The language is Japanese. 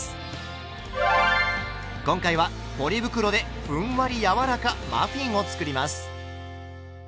今回はポリ袋でふんわり柔らかマフィンを作ります。